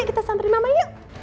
kita santriin mama yuk